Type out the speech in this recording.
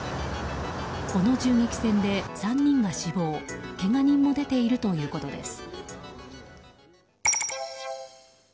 この銃撃戦で３人が死亡けが人も出ているということです。